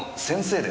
先生？